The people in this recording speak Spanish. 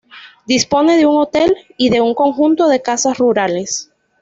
Dispone de un hotel y de un conjunto de casas rurales.